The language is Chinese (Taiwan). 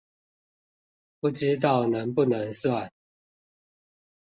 不知道能不能算